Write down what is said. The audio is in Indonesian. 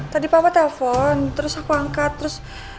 tadi papa telepon terus aku angkat terus